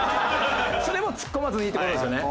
それでもツッコまずにって事ですよね。